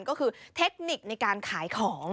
ก็คือเทคนิคในการขายของ